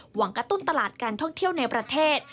กระตุ้นตลาดการท่องเที่ยวในประเทศ